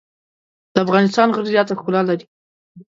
د افغانستان غره زیاته ښکلا لري.